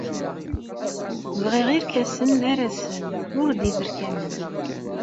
Bɣiɣ irkasen arasen, ur d iberkanen.